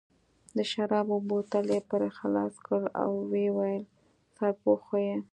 د شرابو بوتل یې پرې خلاص کړ، ویې ویل: سرپوښ خو یې.